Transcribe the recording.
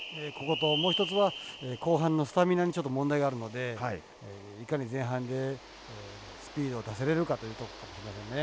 もう１つは、後半のスタミナにちょっと問題があるのでいかに前半でスピードを出せれるかというところかもしれませんね。